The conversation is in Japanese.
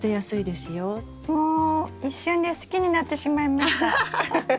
もう一瞬で好きになってしまいました。